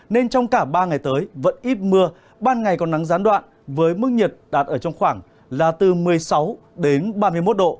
nên trong cả ba ngày tới vẫn ít mưa ban ngày còn nắng gián đoạn với mức nhiệt đạt ở trong khoảng là từ một mươi sáu đến ba mươi một độ